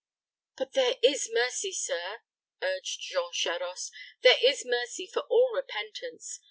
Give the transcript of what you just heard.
"But there is mercy, sir," urged Jean Charost; "there is mercy for all repentance.